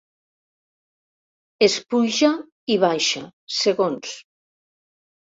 Es puja i baixa, segons.